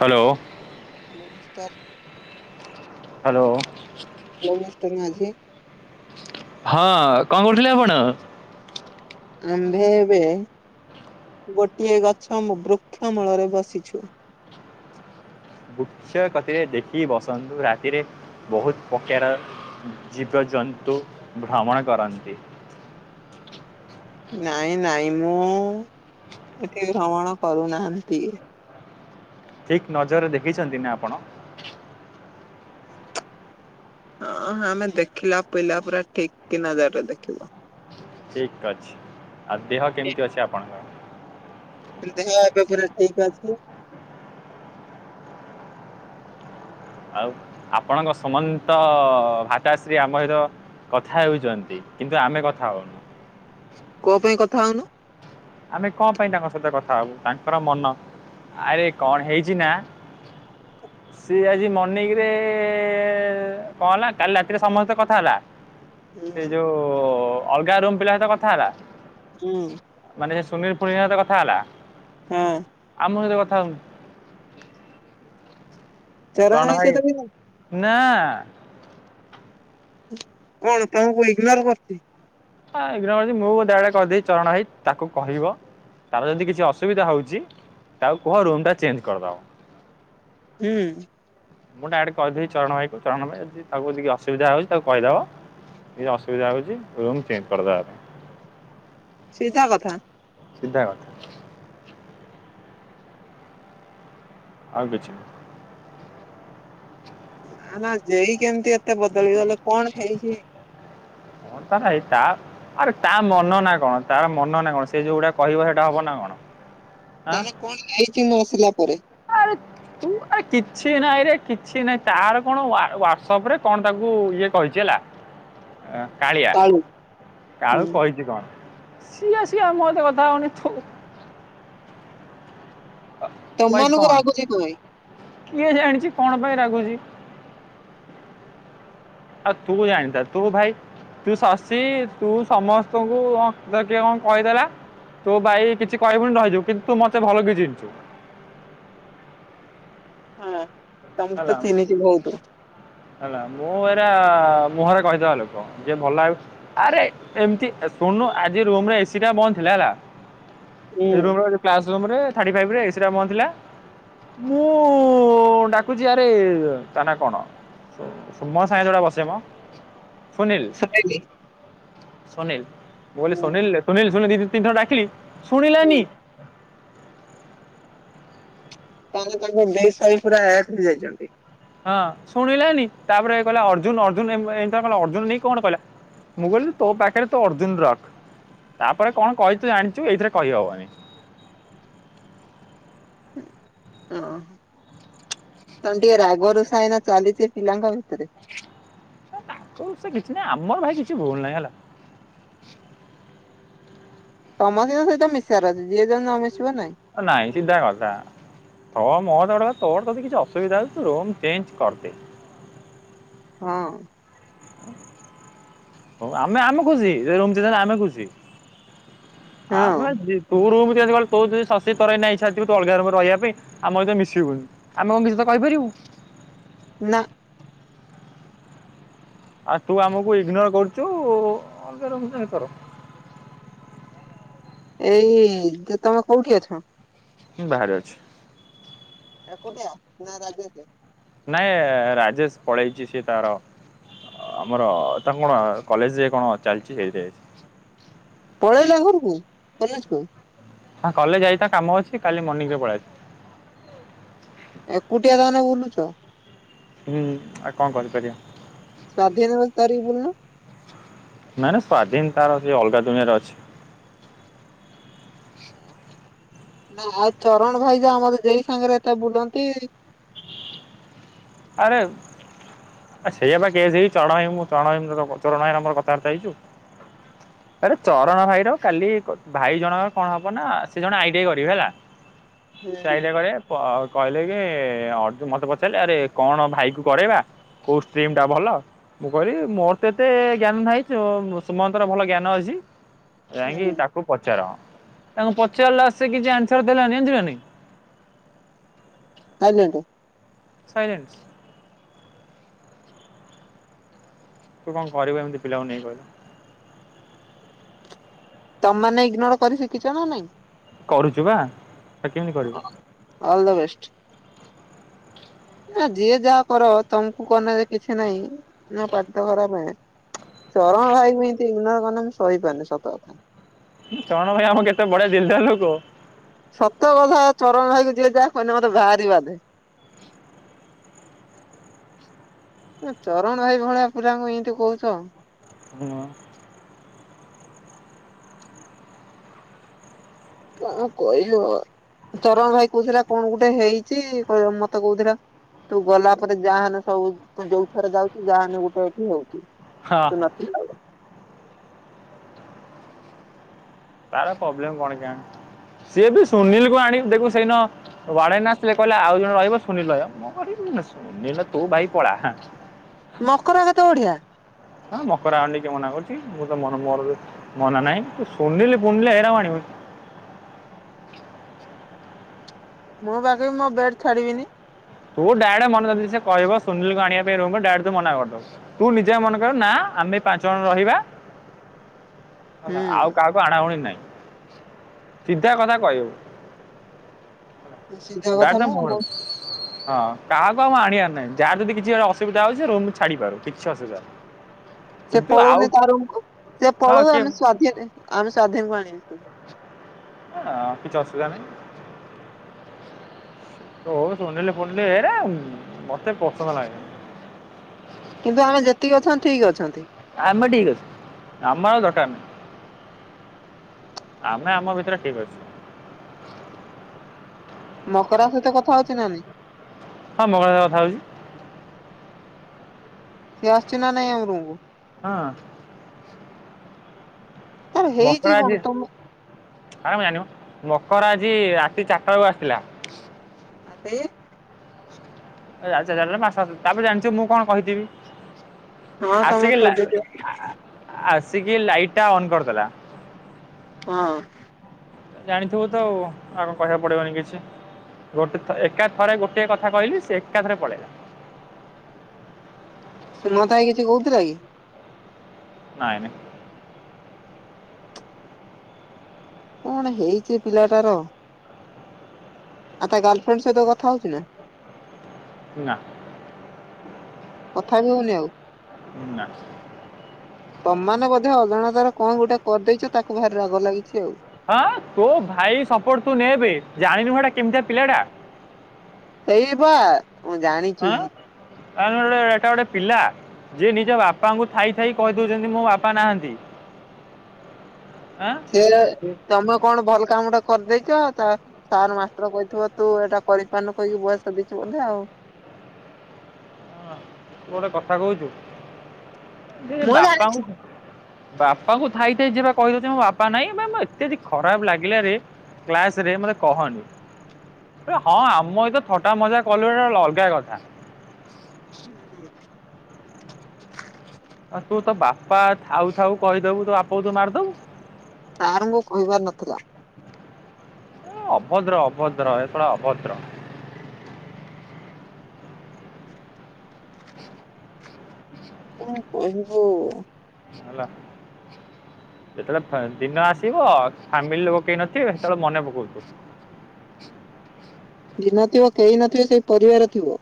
Hello. Hello mister. Hello. Hello mister Majhi. ହଁ କଣ କରୁଥିଲେ ଆପଣ? ଆମ୍ଭେ ଏବେ ଗୋଟିଏ ଗଛ ମୁ ବୃକ୍ଷ ମୂଳରେ ବସିଛୁ। ବୃକ୍ଷ କତିରେ ଦେଖିକି ବସନ୍ତୁ ରାତିରେ ବୋହୁତ ପକେର ଜୀବଜନ୍ତୁ ଭ୍ରମଣ କରନ୍ତି। ନାଇଁ ନାଇଁ ମୁଁ ଏଠି ଭ୍ରମଣ କରୁନାହାନ୍ତି। ଠିକ୍ ନଜରରେ ଦେଖିଛନ୍ତି ନା ଆପଣ? ହଁ ଆମେ ଦେଖିଲା ପିଲା ପୁରା ଠିକ୍ କି ନଜରରେ ଦେଖିବୁ। ଠିକ୍ ଅଛି। ଆଉ ଦେହ କେମିତି ଅଛି ଆପଣଙ୍କର? ଦେହ ଏବେ ପୁରା ଠିକ୍ ଅଛି। ଆଉ ଆପଣଙ୍କ ସୁମନ୍ତ ଭାତାଶ୍ରୀ ଆମର କଥା ହେଉଚନ୍ତି କିନ୍ତୁ ଆମେ କଥା ହୋଉନୁ। କଁ ପାଇଁ କଥା ହୋଉନ? ଆମେ କଣ ପାଇଁ ତାଙ୍କ ସହିତ କଥା ହବୁ ତାଙ୍କର ମନ। ଆରେ କଣ ହେଇଛି ନା [inaudible] ସିଏ ଆଜି ମର୍ଣିିଂ ରେ କଣ ହେଲା କାଲି ରାତିରେ ସମସ୍ତେ କଥା ହେଲା। ହୁଁ ସେ ଯୋଉ ଅଲଗା ରୁମ୍ ପିଲା ସହିତ କଥା ହେଲା। ହୁଁ। ମାନେ ସେ ସୁନୀଲ [unintelligible] ସହିତ କଥା ହେଲା ହଁ ଆମ ସହିତ କଥା ହଉନି। ଚରଣ ଭାଇ ହେଇସହିତ ବି ନା। କଣ ତମକୁ ଇଗ୍ନୋର କରୁଚି? ହା ଇଗ୍ନୋର ମାରୁଚି ମୁଁ ଡାଇରେକ୍ଟ କହିଦେଇଚି ଚରଣ ହେଇ ତାକୁ କହିବ ତାର ଯଦି କିଛି ଅସୁବିଧା ହଉଚି ତାକୁ କୁହ ରୁମ୍ ଟା ଚେଞ୍ଜ କରିଦବ। ହୁଁ। ମୁଁ ଡାଇରେକ୍ଟ କହିଦେଇଚି ଚରଣ ଭାଇକୁ ଚରଣ ଭାଇ ଯଦି ତାକୁ ଟିକେ ଅସୁବିଧା ହଉଛି ତାକୁ କହିଦବ ଯଦି ଅସୁବିଧା ହଉଚି ରୁମ ଚେଞ୍ଜ କରିଦେବା। ସିଧା କଥା। ସିଧା କଥା। ଆଉ କିଛି ନା ନା ଜେଇ କେମିତି ଏତେ ବଦଳି ଗଲେ କଣ ହେଇଚି। କଣ ତାର ହେଇଚି ତା ଆରେ ତା ମନ ନା କଣ ତାର ମନ ନା କଣ ସେ ଯୋଉଟା କହିବ ସେଇଟା ହବ ନା କଣ। ଆଁ ତାହେଲେ କଣ ହେଇଚି ମୁଁ ଆସିଲା ପରେ। [unintelligible] ତୁ ଆରେ କିଛି ନାଇଁ ରେ କିଛି ନାଇଁ ତାର କଣ ୱାଟସପ ରେ କଣ ତାକୁ ଇଏ କହିଛି ହେଲା। କାଳିଆ କାଳୁ ହୁଁ। କାଳୁ କହିଛି କଣ। ସିଏ ସିଏ ମୋ ଠି କଥା ହଉନି। ତମ ମାନଙ୍କୁ ରାଗୁଚି କଣ ପାଇଁ? କେ ଜାଣି ସେ କଣ ପାଇଁ ରାଗୁଚି। ଆଉ ତୁ ଜାଣିଥା ତୁ ଭାଇ ତୁ ଶଶୀ ତୁ ସମସ୍ତଙ୍କୁ କିଏ କଣ କହିଦେଲା। ତୁ ଭାଇ କିଛି କହିବୁନି ରହିିଯିବୁ। କିନ୍ତୁ ମତେ ଭଲ କି ଚିହ୍ନିଚୁ। ହଁ ତମକୁ ହେଲା ତ ଚିହ୍ନିଚି ବହୁତ। ହେଲା ମୁଁ ଏରା ମୁହଁରେ କହିଦେବା ଲୋକ। ଯିଏ ଭଲ ଭାବୁଚି ଆରେ ଏମତି ଶୁଣୁନୁ ଆଜି ରୁମ୍ ରେ ଏସି ଟା ବନ୍ଦ ଥିଲା ହେଲା। ହୁଁ ରୁମ୍ ରେ କ୍ଲାସ୍ ରୁମ୍ ରେ ଥାର୍ଟୀ ଫାଇବ ରେ ଏସିଟା ବନ୍ଦଥିଲା। ମୁଁ ଡା କୁଚି ଆରେ ତାନା କଣ ସୁମ ସାଙ୍ଗ ରେ ବସେମ। ସୁନିଲ୍ ଶୁଣିଲି। ସୁନିଲ୍ ମୁଁ କହିଲି ହୁଁ ସୁନୀଲ୍ ସୁନିଲ୍ ସୁୁନିଲ୍ ଦି ତିନି ଥର ଡାକିଲି ଶୁଣିଲାନି। ତମେ ତାଙ୍କ [unintelligible] ପୁରା ଯାଇଛନ୍ତି। ହଁ ଶୁଣିଲାନି ତାପରେ କହିଲା ଅର୍ଜୁନ ଅର୍ଜନ ଏମତି [unintelligible] ଅର୍ଜୁନ ନେଇ କଣ କହିଲା। ମୁଁ କହିଲି ତୋ ପାଖରେ ତୋ ଅର୍ଜୁନ ରଖ। ତାପରେ କଣ କହିଚୁ ଜାଣିଚୁ ଏଇଥିରେ କହିହବନି। ଓ ତାହେଲେ ଟିକେ ରାଗ ରୁଷା ଏଇନା ଚାଲିଚି ପିଲାଙ୍କ ଭିତରେ। ତାକୁ ସେ କିଛି ନାହିଁ ଆମର ଭାଇ କିଛି ଭୁଲ ନାହିଁ ହେଲା। ସମସ୍ତିଙ୍କ ସହିତ ମିଶିବାର ଅଛି। ଯିଏ ଯଦି ନମିଶିବ ନାଇଁ। ନାଇଁ ସିଧା କଥା। ହଁ [unintelligible] ତୋର ଯଦି କିଛି ଅସୁବିଧା ହଉଚି ତୁ ରୁମ୍ ଚେଞ୍ଜ କରିଦେ। ହଁ। ଆମେ ଆମେ ଖୁସି [unintelligible] ଆମେ ଖୁସି। ହଁ ଆମେ ଜି ତୁ ରୁମ୍ ଚେଞ୍ଜ କଲୁ, ତୋର ଯଦି ଶଶୀ [unintelligible] ଅଲଗା ରୁମ୍ ରେ ରହିବା ପାଇଁ ଆମ ସହିତ ମିଶିବୁନି। ଆମେ କଣ କିଛି ତତେ କହିପାରିବୁ। ନା। ଆଉ ତୁ ଆମକୁ ଇଗ୍ନୋର କରୁଛୁ କର ଏଇ ତମେ କୋଉଠି ଅଛ? ବାହାରେ ଅଛି। ଏକୁଟିଆ ନାଁ ରାଜେଶେ ନାଇଁ ରାଜେଶ ପଳେଇଛି ସିଏ ତାର ଆମର ତାଙ୍କ କଣ କଲେଜରେ କଣ ଚାଲିଛି ସେଇଥିପାଇ ପଳେଇଲା ଘରକୁ କଲେଜେ କୁ ହଁ କଲେଜ ଯାଇ ତା କାମ ଅଛି କାଲି ମର୍ଣ୍ଣିଂରେ ପଳେଇଆସିବ। ଏକୁଟିଆ ତାହେଲେ ବୁଲୁଚ। ହୁ ଆଉ କଣ କରିପାରିବା। ସ୍ଵାଧୀନ ତାରିକ ବୁଲୁନ ନାଇଁ ନାଇଁ ସ୍ଵାଧୀନ୍ ତାର ସେ ଅଲଗା ଦୁନିଆ ରେ ଅଛି। ନା ଆଉ ଚରଣ ଭାଇ ଯା ଆମର ଯେଇ ସାଙ୍ଗରେ ତା ବୁଲନ୍ତି। ଆରୋଉ ସେଇଆ ବା କେସ ହେଇଚି ଚଣ ଭାଇ ମୁ ଚଣ ଭାଇ ମତେ କଣ କ ଚରଣ ଭାଇର ମୋର ଥାବାର୍ତ୍ତା ହେଇଚୁ ଆରେ ଚରଣ ଭାଇର କାଲି ଭାଇ ଜଣଙ୍କ କଣ ହବ ନା ସେ ଜଣେ ଆଇଟାଇ କରିବେ ହେଲା। ହୁଁ ସେ ଆଇଟିଆଇ କରିବେ କ କହିଲେ କି ଅର୍ଜୁ ମତେ ପଚାରିଲେ ଆରେ କଣ ଭାଇ କୁ କରେଇବା କୋଉ ଷ୍ଟିମ୍ ଟା ଭଲ ମୁଁ କହିଲି ମୋର ତ ଏତେ ଜ୍ଞାନ ନାହିଁ ସୁମନ୍ତ ର ଭଲ ଜ୍ଞାନ ଅଛି। ଯାଇଁକି ହୁଁ। ତାକୁ ପଚାର ତାଙ୍କୁ ପଚାରିଲା ସେ କିଛି ଆନ୍ସର ଦେଲାନି ଜାଣିିଚୁକି ନାଇଁ ସାଇଲେଣ୍ଟ ସାଇଲେଣ୍ଟସ ତୁ କଣ କରିବୁ ଏମତି ପିଲାଙ୍କୁ ନେଇ କହିଲୁ ତମମାନେ ଇଗ୍ନୋର କରି ଶିଖିଛ ନା ନାଇଁ କରୁଛୁ ପା ଅଲ୍ ଦ ବେଷ୍ଟ। [inaudible] ନା ଯିଏ ଯାହା କର ତମକୁ କନେ କିଛି ନାହିଁ ନା ପାଠପଢା ମେନ୍। ଚରଣ ଭାଇଙ୍କୁ ଏମିତି ଇନୋର କ ମୁଁ ସହିପାରୁନି ସତ କଥା। ଚରଣ ଭାଇ ଆମ କେତେ ବଢିଆ ଦିଲ୍ଦାର ଲୋକ। ସତ କଥା ଚରଣ ଭାଇକି ଯିଏ ଯାହା କହିଲେ ମତେ ଭାରି ବାଧେ। ଏ ଚରଣ ଭାଇ ଭଳିଆ ପିଲାଙ୍କୁ ଏମିତି କହୁଚ ହ କଣ କହିବ ଚରଣ ଭାଇ କହୁଥିଲା କଣ ଗୋଟେ ହେଇଛି କ ମତେ କହୁଥିଲା ତୁ ଗଲା ପରେ ଯାହାନଲେ ସବୁ ତୁ ଯୋଉଥରେ ଯାଉଛିୁ ଯାହାହାନଲେ ଗୋଟେ ଏଠି ହଉଚି। ହଁ ତୁ ନଥିଲା ବେଳେ ତାର ପ୍ରୋବ୍ଲେମ କଣ କେଆଣି ସିଏ ବି ସୁନୀଲକୁ ଆଣି ଦେଖୁ ସେଇନ ମୋ ବଣେଇ ନା ଆସିଥିଲେ କହିଲେ ଆଉ ଜଣେ ରହିବ ସୁନୀଲ ରହିବ ମୁଁ କରିବି ଶୁନିଲ ତୁ ଭାଇ ପଳା ହଁ ମକର ଭାଇ ତ ବଢିଆ। ହଁ ମକରା ଆଣୁଣି କିଏ ମନା କରୁଚି କି ମୁଁ ତ ମୋର ମୋର ମନା ନାହିଁ ତୁ ସୁନୀଲ ପୁନିଲ ହେରାଙ୍କୁ ଆଣିବୁନି ମୁଁ ପା କହିବି ମୋ ବେଟ ଛାଡିବିନି। ତୁ ଡାଇରେଡେ ମନେ ଯଦି ସେ କହିବ ସୁନିଲ କୁ ଆଣିବା ପାଇଁ ରୁମରେ ଡାଇରେକ୍ଟ ତୁ ମନା କରିଦବୁ। ତୁ ନିଜେ ପା ମନା କର ନା ଆମେ ପାଞ୍ଚ ଜଣ ରହିବା। ହେଲା ହୁଁ। ଆଉ କାହାକୁ ଆଣାଉଣି ନାହିଁ ସିଧା କଥା କହିବୁ। ସିଧା କଥା ଡାଇରେକ୍ଟ ତା ନୁହଁ ମୁହଁରେ ଆଉ ହଁ କାହାକୁ ଆଉ ଆଣିବାର ନାହିଁ ଯାହା ଯଦି କିଛିଟେ ଅସୁବିଧା ହଉଛି ସେ ରୁମ ଛାଡିପାରୁ କିଛି ଅସୁବିଧା ନାଇଁ। [inaudible] ସେ ପଳଉନି ତା ରୁମକୁ ସେ ହଁ ପଳଉ କିଏ ଆମୋ ସ୍ଵାଧୀନ ଆମେ ସ୍ଵାଧିନ କୁ ଆଣିବା। ଆଣ କିଛି ଅସୁବିଧା ନାହିଁ। କୋଉ ସୁନୀଲ ଫୁନିଲ ଏରା ମତେ ପସନ୍ଦ ଲାଗେନି। କିନ୍ତୁ ଆମେ ଯେତିକି ଅଛନ୍ତି ଠିକ୍ ଅଛନ୍ତି। ଆମେ ଠିକ୍ ଅଛି ଆମର ଆଉ ଦରକାର ନାହିଁ। ଆମେ ଆମ ଭିତରେ ଠିକ୍ ଅଛୁ। ମକରା ସହିତ କଥା ଅଉଛି ନା ନାହିଁ ହଁ ମକରା କଥା ହେଉଛି। ସିଏ ଆସୁଛି ନା ନାଇଁ ଆମ ରୁମ୍ କୁ ହଁ। ତାର ହେଇଛି ମକରା କଣ ଆଜି ତମ ନା ମୁଁ ଜାଣିନି ମ ମକରା ଆଜି ରାତି ଚାରିଟା ବେଳକୁ ଆସିଥିଲା। ଆ [unintelligible] ସେଇ [unintelligible] ଏ ଆା ମାସ ଆ [unintelligible] ତାପରେ ଜାଣିଛୁ ମୁଁ କଣ କହିଥିବି ହଁ ତମ ଆସିକି ଲା ସୋଦିକି ଆସିକି ଲାଇଟ୍ ଟା ଅନ୍ କରିଦେଲା ହଁ। ଜାଣିଥିବୁ ତ ଆଉ ଆଗକୁ କହିବାକୁ ପଡିବନି କିଛି ଗୋଟେ ଥରେ ଏକା ଥରେ ଗୋଟଏ କଥା କହିଲି ସେ ଏକା ଥରେ ପଳେଇଲା ସୁନାଥ ଭାଇ କିଛି କହୁଥିଲା କି? ନାହିଁ ନାହିଁ। କଣ ହେଇଛି ପିଲାଟାର? ଆଉ ତା ଗାଲଫ୍ରେଣ୍ଡ୍ ସହିତ କଥା ହଉଛି ନା? ନା। କଥା ବିି ହଉନି ଆଉ? ନା। ତମ୍ ମାନେ ବୋଧେ ଅଜାଣତାରେ କଣ ଗୋଟେ କରିଦେଇଛ ତାକୁ ଭାରି ରାଗ ଲାଗିଛି ଆଉ ହଁ ତୋ ଭାଇ ସପୋର୍ଟ ତୁ ନେବେ ଜାଣିନୁ ସେଟା କେମିତିଆ ପିଲା ଟା ସେଇ ବା ମୁଁ ଜାଣିଛି। ଆଉ ନ ହେଲେ ଏଟା ଗୋଟେ ପିଲା ଯିଏ ନିଜ ବାପାଙ୍କୁ ଥାଇ ଥାଇ କହିଦଉଛନ୍ତି ମୋ ବାପା ନାହାନ୍ତି। ଆଁ। ସେ ହଁ ତୁ ତମେ କଣ ଭଲ କାମ ଟା କରିଦେଇଛ ତା ସାର୍ ମାଷ୍ଟର କହିଥିବ ତୁ ଏଇଟା କରିପାରୁନୁ କହିକି ବୟସ ଦେଇଛୁ ବୋଧେ ଆଉ। ତୁ ଗୋଟେ କଥା କହୁଛୁ [unintelligible] ମୁଁ ଜାଣିଛି। ବାପାଙ୍କୁ ବାପାଙ୍କୁ ଥାଇଥାଇ ଯିବା କହିଦଉଛି ମୋ ବାପା ନାଇଁ ଏ ଏତ୍ୟାଦି ଖରାପ ଲାଗିଲାରେ। କ୍ଲାସ ରେ ମତେ କହନି ହଁ ଆମ ସହିତ ଥଟା ମଜା କଲୁ ଏଟା ଗୋଟେ ଅଲଗା କଥା। ହୁଁ। ଆ ତୁ ତ ବାପା ଥାଉ ଥାଉ କହିଦବୁ ତୋ ବାପକୁ ତୁ ମାରିଦବୁ। ସାରଙ୍କୁ କହିବାର ନଥିଲା। ଅଭଦ୍ର ଅଭଦ୍ର ଏ! ! ! ! ! ! ! ! ! ! ଅଭଦ୍ର। କଣ କହିବୁ? ! ! ! ! ! ! ! ! ! ! ଯେତେବେଳେ ଦିନ ଆସିବ ଫ୍ୟାମିଲି ଲୋକ କେହି ନଥିବେ ସେତେବେଳେ ମନେ ପକଉଥିବୁ। ଦିନଥିବ କେହି ନଥିବେ ସେଇ ପରିବାର ଥିବ।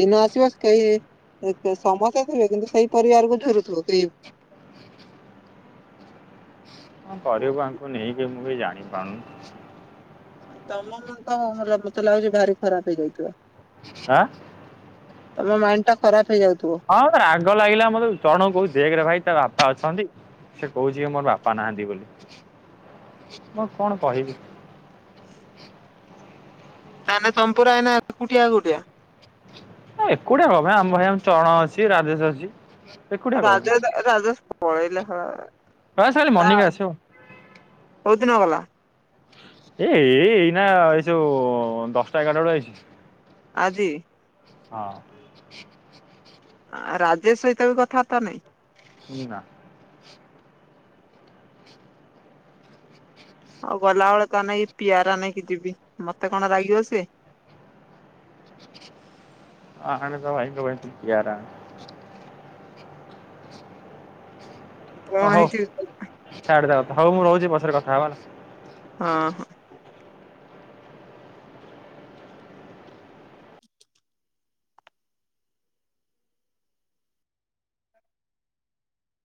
ଦିନ ଆସିବ କେହି ସମସ୍ତେ ଥିବେ କିନ୍ତୁ ସେଇ ପରିବାରକୁ ଝୁରୁଥିବୁ କେହି କଣ କରିବୁ ଆଙ୍କୁ ନେଇକି ମୁଁ କିଛି ଜାଣିପାରୁନି। ତମ ତ ମତେ ଲାଗୁଛି ଭାରି ଖରାପ ହେଇଯାଇଥିବ ଆଁ। ତମ ମାଇଣ୍ଡ ଟା ଖରାପ ହେଇଯାଉଥିବ ହଁ ରାଗ ଲାଗିଲା ମୋତେ ଜଣ କହୁଚି ଦେଖରେ ଭାଇ ତା ବାପା ଅଛନ୍ତି। ସେ କହୁଛି କି ମୋର ବାପା ନାହାନ୍ତି ବୋଲି ମୁଁ କଣ କହିବି? ତାହେନେ ତମେ ପୁରା ଏଇନା ଏକୁଟିଆ [unintelligible] ବୋଧେ। ଏକୁଟିଆ କଣ ଭାଇ ଆମ ଭାଇ ଆମ ଚରଣ ଅଛି ରାଜେଶ ଅଛି। ଏକୁଟିଆ କଣ ପାଇଁ ରାଜେଶ ରାଜେଶ ପଳେଇଲେ ହେ। ବାସ୍ ଖାଲି ମନିକା ଆସିବ କୋଉ ଦିନ ଗଲା? ଏ ଏଇ ଏଇନା ଏଯୋଉ ଦଶଟା ଏଗାରଟା ବେଳେ ଯାଇଚି। ଆଦି। ହଁ। ଆ ରାଜେଶ ସହିତ ବି କଥାବାର୍ତ୍ତା ନାହିଁ। ନା। ଆଉ ଗଲାବେଳେ ତା ନାଗି ପିଆରା ନେଇକି ଯିବି ମତେ କଣ ରାଗିବ ସିଏ। ଅ ହ ଆଣେ ତ ମାଇକ୍ ବଜୁଛି ଆରାମ ର କଣ ହେଇଛି? ଛାଡ଼େ ତା କଥା ହେଉ ମୁଁ ରହୁଛି ପଛରେ କଥା ହେବା। ହଁ ହ।